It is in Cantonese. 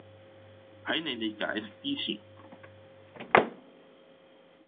喺你哋解釋之前